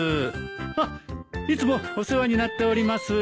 あっいつもお世話になっております。